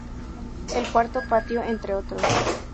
El Cuarto Patio, entre otros.